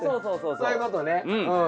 そういうことねうん。